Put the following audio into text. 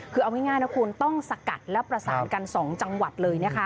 คือเอาง่ายนะคุณต้องสกัดและประสานกัน๒จังหวัดเลยนะคะ